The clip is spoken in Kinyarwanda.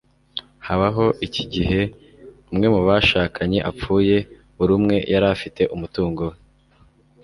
habaho iki igihe umwe mu bashakanye apfuye, buri umwe yarafite umutungo we